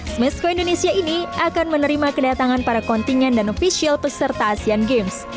smesco indonesia ini akan menerima kedatangan para kontingen dan ofisial peserta asean games